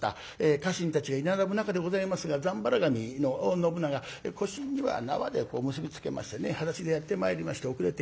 家臣たちが居並ぶ中でございますがざんばら髪の信長腰には縄で結び付けましてねはだしでやって参りまして遅れて。